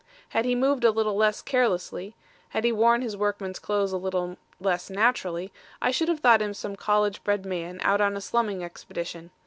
Had he moved a little less carelessly, had he worn his workman's clothes a little less naturally, I should have thought him some college bred man out on a slumming expedition.